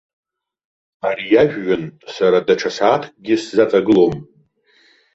Ари ажәҩан сара даҽа сааҭкгьы сзаҵагылом.